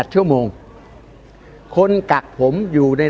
ตอนต่อไป